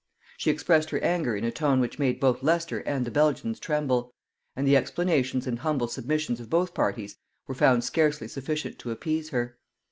She expressed her anger in a tone which made both Leicester and the Belgians tremble; and the explanations and humble submissions of both parties were found scarcely sufficient to appease her.